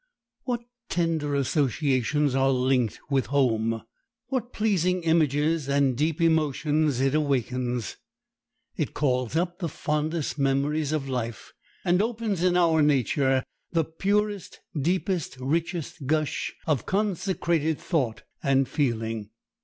What tender associations are linked with home! What pleasing images and deep emotions it awakens! It calls up the fondest memories of life, and opens in our nature the purest, deepest, richest gush of consecrated thought and feeling.